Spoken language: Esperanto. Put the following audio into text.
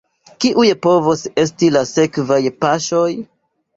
Kiuj povos esti la sekvaj paŝoj?